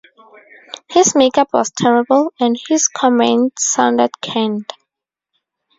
His makeup was terrible, and his comments sounded canned.